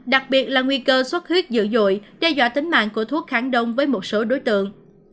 đặc biệt là nguy cơ xuất huyết dữ dội đe dọa tính mạng của thuốc kháng đông với một số đối tượng